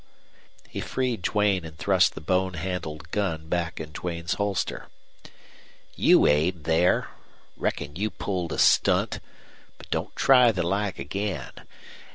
He freed Duane and thrust the bone handled gun back in Duane's holster. "You Abe, there. Reckon you pulled a stunt! But don't try the like again.